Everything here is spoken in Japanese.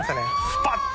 スパッと。